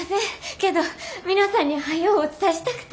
けど皆さんにはよお伝えしたくて。